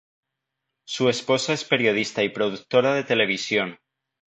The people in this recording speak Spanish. Su esposa es periodista y productora de televisión.